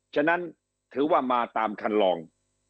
ฉะนั้นถือว่ามาตามคันลอง